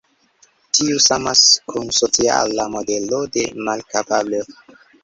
Tiu samas kun sociala modelo de malkapablo.